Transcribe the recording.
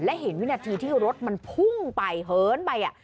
และเห็นวินาทีที่รถมันพุ่งไปเหินไป